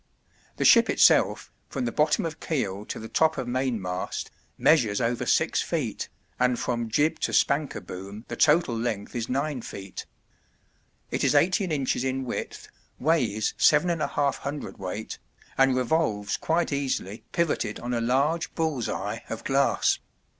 The ship itself, from the bottom of keel to the top of mainmast, measures over 6 ft., and from jib to spanker boom the total length is 9 ft. It is 18 in. in width, weighs 7 1/2 cwt., and revolves quite easily pivoted on a large bull's eye of glass.